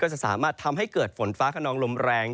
จะสามารถทำให้เกิดฝนฟ้าขนองลมแรง